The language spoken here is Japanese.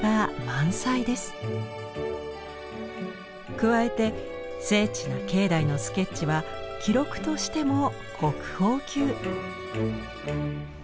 加えて精緻な境内のスケッチは記録としても国宝級！